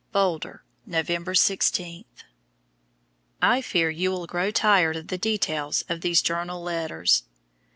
BOULDER, November 16. I fear you will grow tired of the details of these journal letters.